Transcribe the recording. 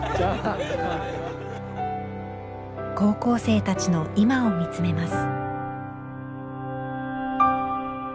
高校生たちの今を見つめます。